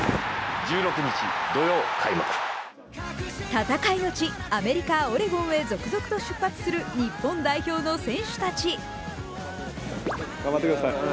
戦いの地、アメリカ・オレゴンへ続々と出発する日本代表の選手建ち。